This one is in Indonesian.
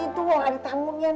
tuh ada tamunya